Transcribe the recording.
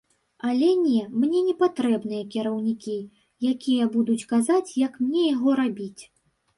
Але, не, мне не патрэбныя кіраўнікі, якія будуць казаць, як мне яго рабіць.